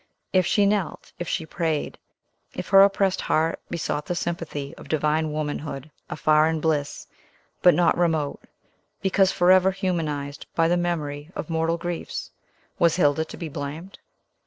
If she knelt, if she prayed, if her oppressed heart besought the sympathy of divine womanhood afar in bliss, but not remote, because forever humanized by the memory of mortal griefs, was Hilda to be blamed?